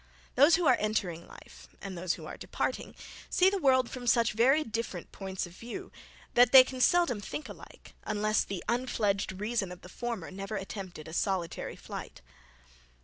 Those who are entering life, and those who are departing, see the world from such very different points of view, that they can seldom think alike, unless the unfledged reason of the former never attempted a solitary flight.